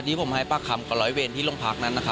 รถแสงทางหน้า